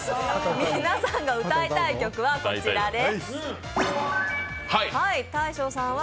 皆さんが歌いたい曲はこちらです。